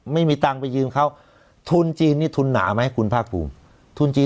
ไม่มีตังค์ไปยืมเขาทุนจีนนี่ทุนหนาไหมคุณภาคภูมิทุนจีน